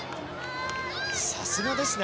さすがですね。